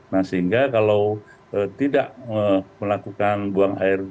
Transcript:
nah sehingga kalau tidak melakukan buang air